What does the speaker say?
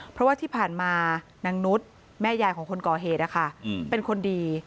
เพราะว่าที่ผ่านมานางนุษย์แม่ยายของคนก่อเหตุนะคะเป็นคนดี